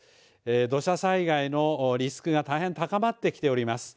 土砂災害のリスクが大変高まってきております。